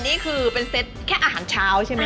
นี่คือเป็นเซตแค่อาหารเช้าใช่ไหม